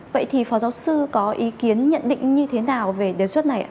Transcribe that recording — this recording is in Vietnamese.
vậy thì phó giáo sư có ý kiến nhận định như thế nào về đề xuất này ạ